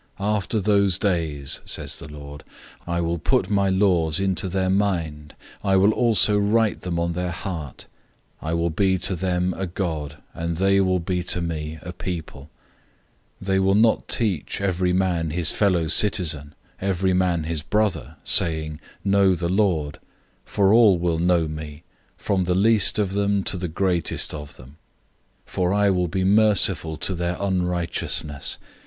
After those days," says the Lord; "I will put my laws into their mind, I will also write them on their heart. I will be their God, and they will be my people. 008:011 They will not teach every man his fellow citizen,{TR reads "neighbor" instead of "fellow citizen"} and every man his brother, saying, 'Know the Lord,' for all will know me, from the least of them to the greatest of them. 008:012 For I will be merciful to their unrighteousness.